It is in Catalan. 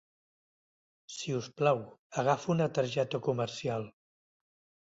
Si us plau, agafa una targeta comercial.